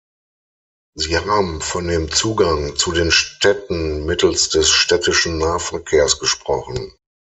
Sie haben von dem Zugang zu den Städten mittels des städtischen Nahverkehrs gesprochen.